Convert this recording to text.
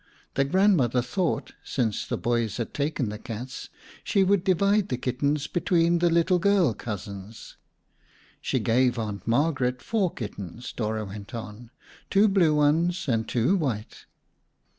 The grandmother thought, since the boys had taken the cats, she would divide the kittens between the little girl cousins. "She gave Aunt Margaret four kittens," Dora went on, "two blue ones and two white."